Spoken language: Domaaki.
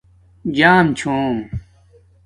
جݳم چھُوم